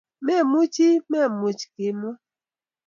Memuchi memuch kimwa.